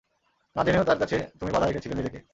না জেনেও তার কাছে তুমি বাঁধা রেখেছিলে নিজেকে।